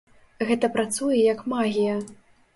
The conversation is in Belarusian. Гэта працуе як магія.